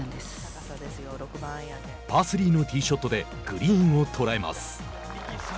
パー３のティーショットでグリーンを捉えます。